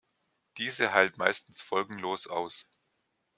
Diese heilt meistens folgenlos aus.